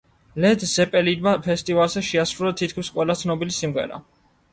ლედ ზეპელინმა ფესტივალზე შეასრულა თითქმის ყველა ცნობილი სიმღერა.